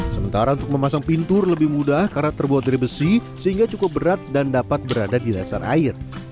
sementara untuk memasang pintur lebih mudah karena terbuat dari besi sehingga cukup berat dan dapat berada di dasar air